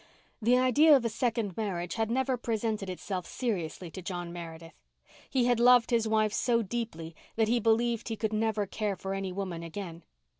The idea of a second marriage had never presented itself seriously to John Meredith. He had loved his wife so deeply that he believed he could never care for any woman again.